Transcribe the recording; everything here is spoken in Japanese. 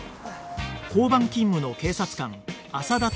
交番勤務の警察官朝田虎松